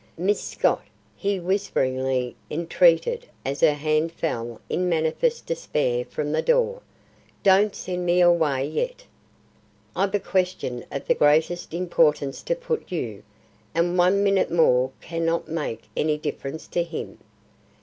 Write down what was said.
Miss Scott," he whisperingly entreated as her hand fell in manifest despair from the door, "don't send me away yet. I've a question of the greatest importance to put you, and one minute more cannot make any difference to him.